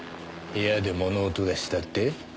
部屋で物音がしたって？